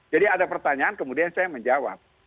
ada pertanyaan kemudian saya menjawab